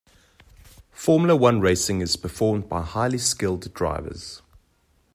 Formula one racing is performed by highly skilled drivers.